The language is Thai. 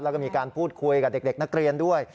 แล้วก็มีการพูดคุยกับเด็กนักเรียนด้วย